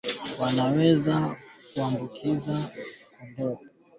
wanaweza kuwaambukiza kondoo wengine pekee tetekuwanga ya kondoo